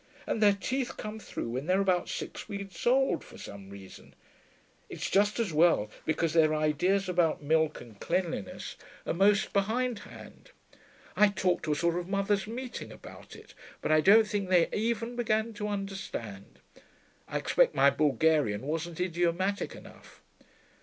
And their teeth come through when they're about six weeks old, for some reason. It's just as well, because their ideas about milk cleanliness are most behindhand. I talked to a sort of mothers' meeting about it, but I don't think they even began to understand. I expect my Bulgarian wasn't idiomatic enough.